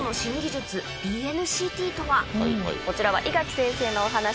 こちらは井垣先生のお話です。